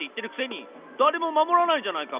だれもまもらないじゃないか！